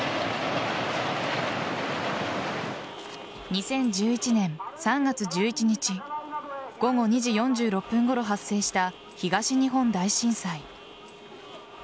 ２０１１年３月１１日午後２時４６分ごろ発生した東日本大震災。